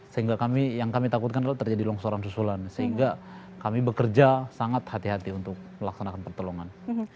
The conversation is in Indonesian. sehingga kami yang kami takutkan adalah terjadi longsoran susulan sehingga kami bekerja sangat hati hati untuk melaksanakan pertolongan